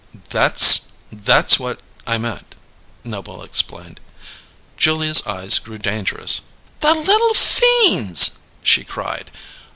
_" "That's that's what I meant," Noble explained. Julia's eyes grew dangerous. "The little fiends!" she cried.